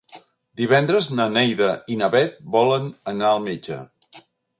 Divendres na Neida i na Bet volen anar al metge.